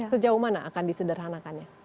sejauh mana akan disederhanakannya